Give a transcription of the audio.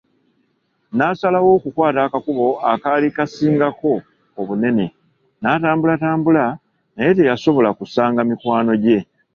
Naasalawo okukwata akakubo akaali kasingako obunene, n'atambulatambula, naye teyasobola kusanga mikwano gye.